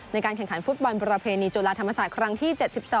ในการแข่งขันฟุตบอลประเพณีจุฬาธรรมศาสตร์ครั้งที่๗๒